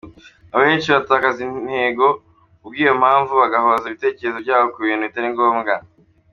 Abenshi batakaza intego, ku bw’iyo mpamvu bagahoza ibitekerezo byabo ku bintu bitari ngombwa.